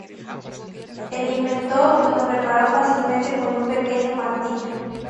El inventor lo reparó fácilmente con un pequeño martillo.